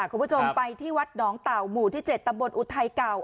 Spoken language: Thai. คุณผู้ชมไปที่วัดหนองเต่าหมู่ที่๗ตำบลอุทัยเก่า